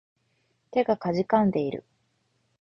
手が悴んでいる